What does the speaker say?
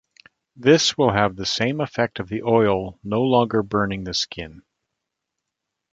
This will have the same effect of the oil no longer burning the skin.